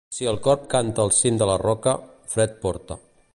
Si el corb canta al cim de la roca, fred porta.